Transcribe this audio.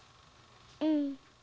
うん。